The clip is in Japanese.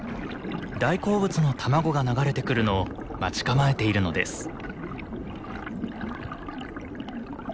大好物の卵が流れてくるのを待ち構えているのです。